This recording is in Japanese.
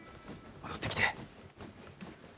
戻ってきて。